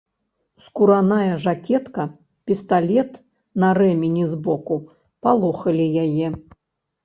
Скураная жакетка, пісталет на рэмені з боку палохалі яе.